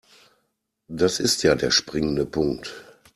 Das ist ja der springende Punkt.